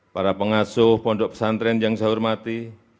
para pengasuh pondok pesantren yang saya hormati